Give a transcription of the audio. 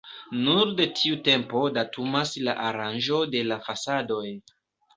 Nur de tiu tempo datumas la aranĝo de la fasadoj.